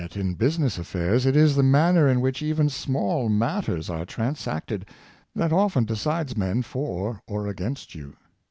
in business affairs, it is the manner in which even small matters are transacted, that often decides men for or against you.